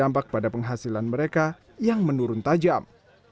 dampak pada penghasilan mereka yang menurun tajam